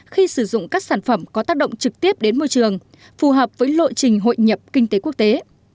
khi sử dụng các sản phẩm có tác động trực tiếp đến môi trường phù hợp với lộ trình hội nhập kinh tế quốc tế